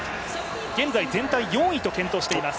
現在全体４位と健闘しています。